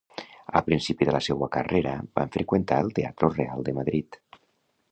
Al principi de la seua carrera va freqüentar el Teatro Real de Madrid.